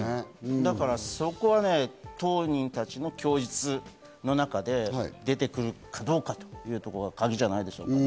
だからそこは当人たちの供述の中で出てくるかどうかというところがカギじゃないですかね。